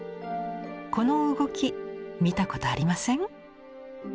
この動き見たことありません？